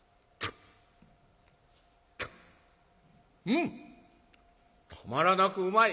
「うん。たまらなくうまい」。